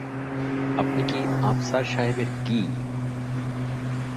আপনি কি আফসার সাহেবের কী?